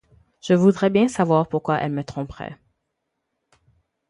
Je voudrais bien savoir pourquoi elle me tromperait.